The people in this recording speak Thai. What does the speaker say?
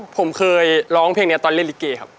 ผมเคยร้องเพลงนี้ตอนเล่นลิเกครับ